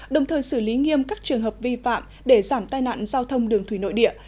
đồng thời xử lý nghiêm các trường hợp vi phạm để giảm tai nạn giao thông đường thủy nội địa